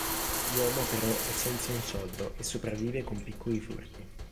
L'uomo però è senza un soldo e sopravvive con piccoli furti.